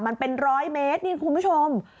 มันเป็นร้อยเมตรนี่คุณผู้ชม